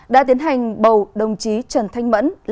đã tiến hành bầu đồng chí trần thanh mẫn